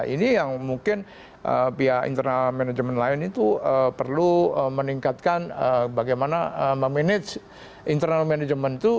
ini yang mungkin pihak internal manajemen lain itu perlu meningkatkan bagaimana memanage internal manajemen itu